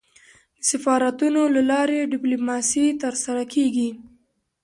د سفارتونو له لاري ډيپلوماسي ترسره کېږي.